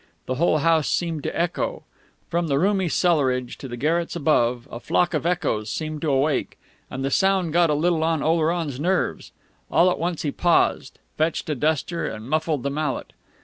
The whole house seemed to echo; from the roomy cellarage to the garrets above a flock of echoes seemed to awake; and the sound got a little on Oleron's nerves. All at once he paused, fetched a duster, and muffled the mallet....